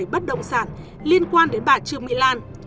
một hai trăm ba mươi bảy bất động sản liên quan đến bà trương mỹ lan